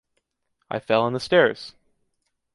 I fell in the stairs.